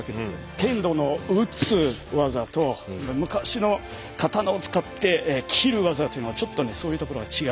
剣道の打つ技と昔の刀を使って斬る技というのはちょっとねそういうところが違う。